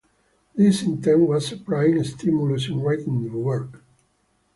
This intent was a prime stimulus in writing the work.